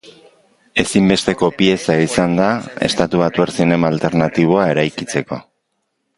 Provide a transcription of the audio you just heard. Ezinbesteko pieza izan da estatubatuar zinema alternatiboa eraikitzeko.